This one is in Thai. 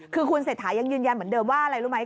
คือคุณเศรษฐายังยืนยันเหมือนเดิมว่าอะไรรู้ไหม